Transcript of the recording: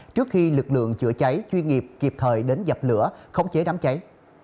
trước khi lực lượng chữa cháy chuyên nghiệp kịp thời đến dập lửa khống chế đám cháy